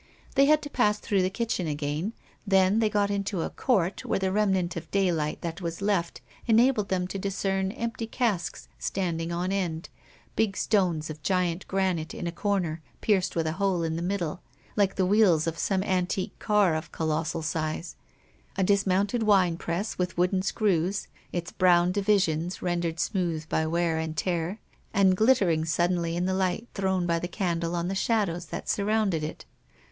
They had to pass through the kitchen again, then they got into a court where the remnant of daylight that was left enabled them to discern empty casks standing on end, big stones of giant granite in a corner pierced with a hole in the middle, like the wheels of some antique car of colossal size, a dismounted winepress with wooden screws, its brown divisions rendered smooth by wear and tear, and glittering suddenly in the light thrown by the candle on the shadows that surrounded it.